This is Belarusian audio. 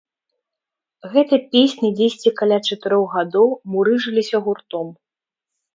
Гэта песня дзесьці каля чатырох гадоў мурыжылася гуртом.